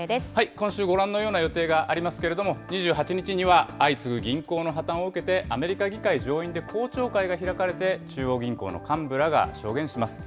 今週、ご覧のような予定がありますけれども、２８日には相次ぐ銀行の破綻を受けて、アメリカ議会上院で公聴会が開かれて、中央銀行の幹部らが証言します。